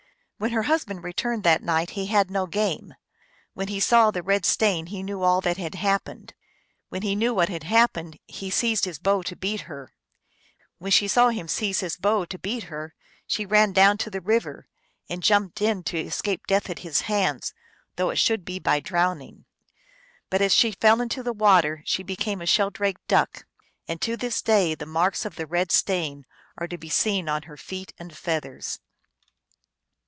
When her husband returned that night he had no game ; when he saw the red stain he knew all that had happened ; when he knew what had happened he seized his bow to beat her ; when she saw him seize his bow to beat her she ran down to the river, and jumped in to escape death at his hands, though it should be by drowning. But as she fell into the water she became a sheldrake duck. And to this day the marks of the red stain are to be seen on her feet and feathers.